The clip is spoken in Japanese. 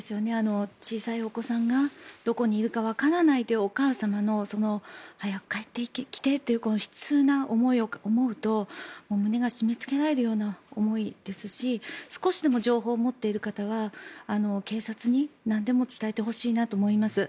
小さいお子さんがどこにいるかわからないというお母様の早く帰ってきてという悲痛な思いを思うと胸が締めつけられるような思いですし少しでも情報を持っている方は警察になんでも伝えてほしいなと思います。